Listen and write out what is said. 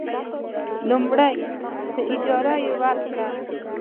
لومړی: په اجارې ورکړه.